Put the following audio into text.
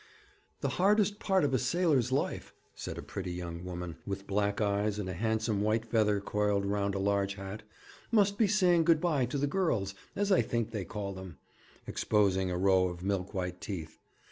'The hardest part of a sailor's life,' said a pretty young woman, with black eyes, and a handsome white feather coiled round a large hat, 'must be saying good bye to the girls, as I think they call them,' exposing a row of milk white teeth.